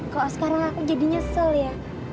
kalau sekarang aku jadi nyesel ya